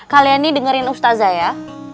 kalian ini dengerin ustazah ya